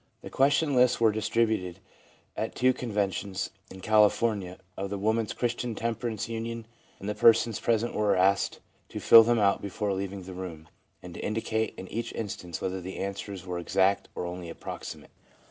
The question lists were distributed at two con ventions (in California) of the Woman's Christian Tem perance Union, and the persons present were asked to fill them out before leaving the room, and to indicate in each instance whether the answers were exact or only approximate.